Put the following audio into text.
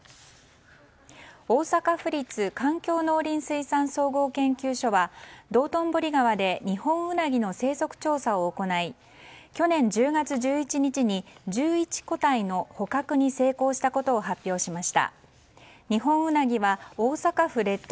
大阪府立環境農林水産総合研究所は道頓堀川でニホンウナギの生息調査を行い去年１０月１１日に１１個体の捕獲に成功したことを発表しました。